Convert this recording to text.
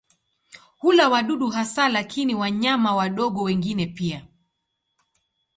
Hula wadudu hasa lakini wanyama wadogo wengine pia.